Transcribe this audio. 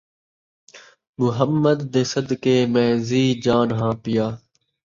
محمد دے صدقے میں ذی جان ہاں پیا